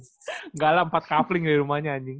enggak lah empat kaveling di rumahnya anjing